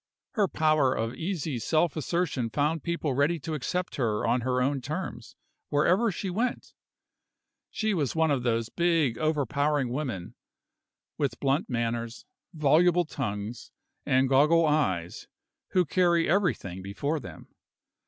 Her power of easy self assertion found people ready to accept her on her own terms wherever she went. She was one of those big, overpowering women, with blunt manners, voluble tongues, and goggle eyes, who carry everything before them.